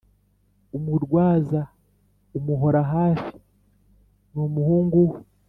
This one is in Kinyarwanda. umurwaza umuhora hafi numuhungu we